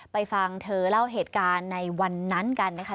ฟังเธอเล่าเหตุการณ์ในวันนั้นกันนะคะ